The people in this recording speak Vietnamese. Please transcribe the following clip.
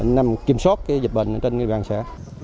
nằm kiểm soát dịch bệnh trên địa bàn xã